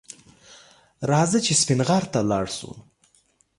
راځه چې سپین غر ته لاړ شو